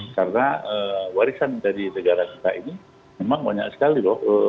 karena warisan dari negara kita ini memang banyak sekali loh